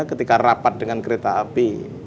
ketika rapat dengan kereta api